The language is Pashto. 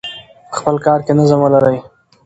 په خپل کار کې نظم ولرئ.